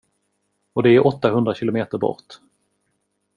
Och det är åttahundra km bort.